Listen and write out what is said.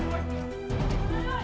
ini barang supaya berantakan